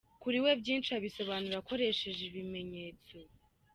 Kuri we byinshi abisobanura akoresheje ibimenyetso.